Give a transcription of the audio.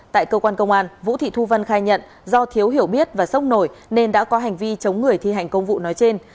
tại cơ quan công an vũ thị thu vân khai nhận do thiếu hiểu biết và sốc nổi nên đã có hành vi chống người thi hành công vụ nói trên